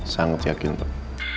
sangat yakin pak